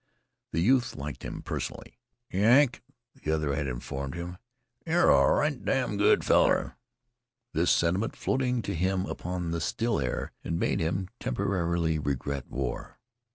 The youth liked him personally. "Yank," the other had informed him, "yer a right dum good feller." This sentiment, floating to him upon the still air, had made him temporarily regret war.